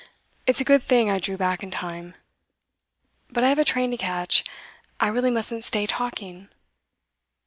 It's a good thing I drew back in time. But I have a train to catch; I really mustn't stay talking.